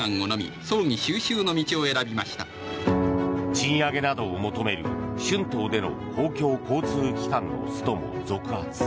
賃上げなどを求める春闘での公共交通機関のストも続発。